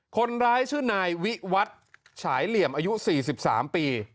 คนร้ายชื่อนายวิวัตรฉายเหลี่ยมอายุ๔๓ปี